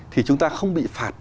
thì chúng ta không bị phạt